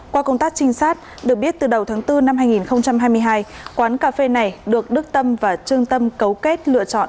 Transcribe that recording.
qua công tác trinh sát được biết từ đầu tháng bốn năm hai nghìn hai mươi hai quán cà phê này được đức tâm và trung tâm cấu kết lựa chọn